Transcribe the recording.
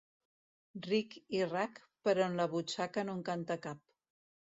Ric i rac, però en la butxaca no en canta cap.